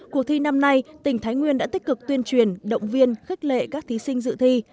cuộc thi năm nay tỉnh thái nguyên đã tích cực tuyên truyền động viên khích lệ các thí sinh dự thi